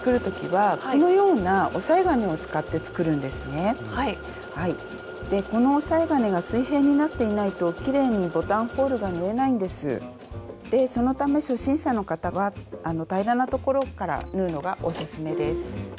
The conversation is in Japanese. そのため初心者の方は平らなところから縫うのがオススメです。